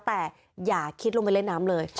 แต่อย่าคิดลงไปเล่นน้ำเลย